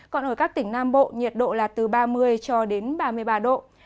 còn ở các tỉnh nam bộ nhiệt độ là từ ba mươi ba mươi ba độ